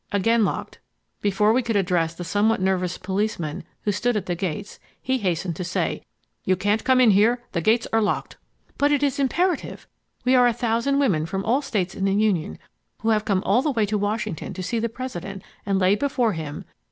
Again locked. Before we could address the somewhat nervous policeman who stood at the gates, he hastened to say, "You can't come in here; the gates are locked." "But it is imperative; we are a thousand women from all States in the Union who have come all the way to Washington to see the President and lay before him